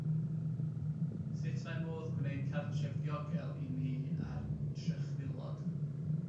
Sut mae modd gwneud cartref diogel i ni a'r trychfilod?